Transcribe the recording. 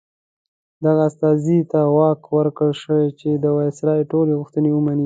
دغه استازي ته واک ورکړل شوی چې د وایسرا ټولې غوښتنې ومني.